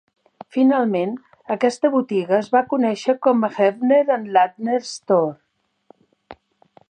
Finalment, aquesta botiga es va conèixer com "Heffner and Lattner Store".